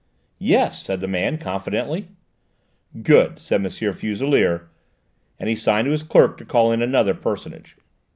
"Yes," said the man confidently. "Good!" said M. Fuselier, and he signed to his clerk to call in another personage.